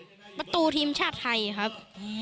อยากเป็นประตูทีมชาติไทยครับ